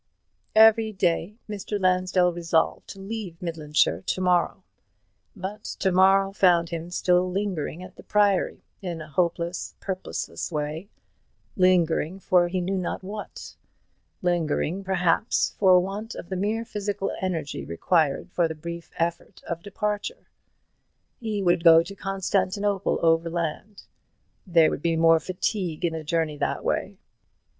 Every day Mr. Lansdell resolved to leave Midlandshire to morrow; but to morrow found him still lingering at the Priory, in a hopeless, purposeless way, lingering for he knew not what, lingering, perhaps, for want of the mere physical energy required for the brief effort of departure. He would go to Constantinople overland; there would be more fatigue in the journey that way.